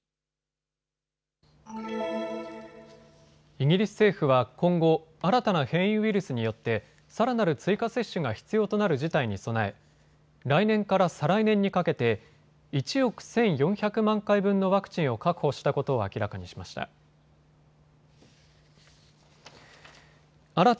イギリス政府は今後、新たな変異ウイルスによってさらなる追加接種が必要となる事態に備え、来年から再来年にかけて１億１４００万回分のワクチンを確保したことを明らかにしました。